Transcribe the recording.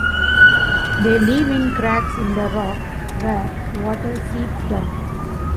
They live in cracks in the rock where water seeps down.